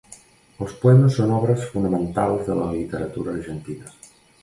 Els poemes són obres fonamentals de la literatura argentina.